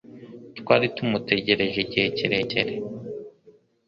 Twari tumutegereje igihe kirekire.